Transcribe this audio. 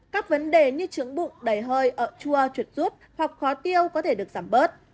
các vấn đề như trứng bụng đầy hơi chua chuột rút hoặc khó tiêu có thể được giảm bớt